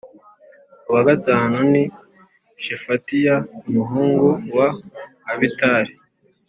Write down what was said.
uwa gatanu ni Shefatiya umuhungu wa Abitali